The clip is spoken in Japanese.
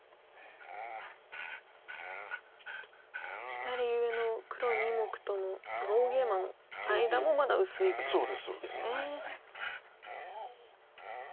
左上の黒２目とも大ゲイマの間もまだ薄いですよね。